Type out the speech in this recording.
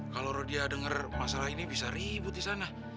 kalo rodia denger masalah ini bisa ribut disana